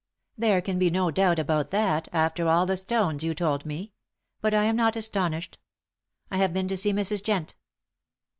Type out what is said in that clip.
"There can be no doubt about that after all the stones you told me. But I am not astonished. I have been to see Mrs. Jent."